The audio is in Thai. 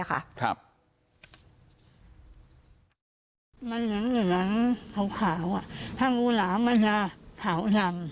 ก็ว่าก็รีบออกจากสวนหน้ามาครัว